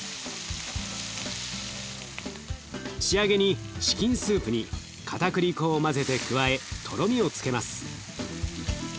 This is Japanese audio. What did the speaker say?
仕上げにチキンスープにかたくり粉を混ぜて加えとろみをつけます。